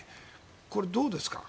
これ、どうですか？